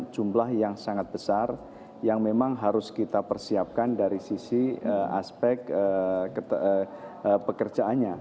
jumlah yang sangat besar yang memang harus kita persiapkan dari sisi aspek pekerjaannya